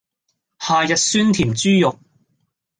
夏日酸甜豬肉